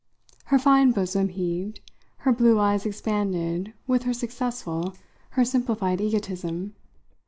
Her fine bosom heaved, her blue eyes expanded with her successful, her simplified egotism.